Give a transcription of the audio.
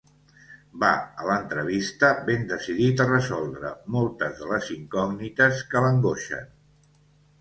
Va a l'entrevista ben decidit a resoldre moltes de les incògnites que l'angoixen.